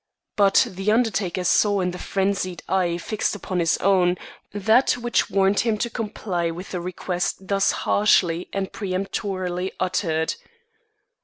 But the undertaker saw in the frenzied eye fixed upon his own, that which warned him to comply with the request thus harshly and peremptorily uttered.